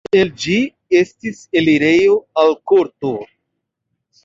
El ĝi estis elirejo al korto.